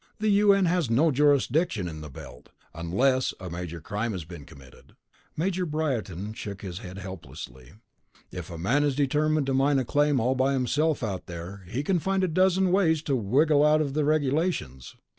The U.N. has no jurisdiction in the belt, unless a major crime has been committed." Major Briarton shook his head helplessly. "If a man is determined to mine a claim all by himself out there, he can find a dozen different ways to wiggle out of the regulations."